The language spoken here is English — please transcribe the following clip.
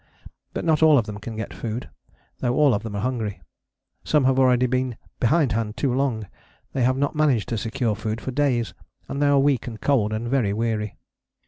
But not all of them can get food, though all of them are hungry. Some have already been behindhand too long: they have not managed to secure food for days, and they are weak and cold and very weary.